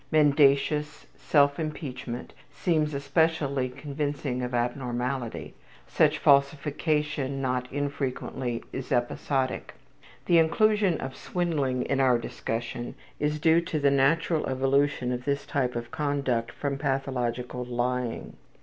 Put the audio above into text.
Mendacious self impeachment seems especially convincing of abnormality. Such falsification not infrequently is episodic. The inclusion of swindling in our discussion is due to the natural evolution of this type of conduct from pathological lying.